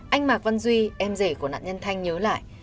anh mạc văn duy em rể của nạn nhân thanh nhớ lại